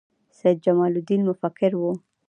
سید جمال الدین مفکر و